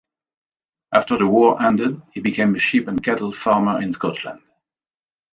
After the war ended he became a sheep and cattle farmer in Scotland.